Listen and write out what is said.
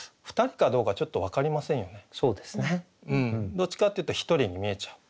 どっちかっていうと１人に見えちゃう。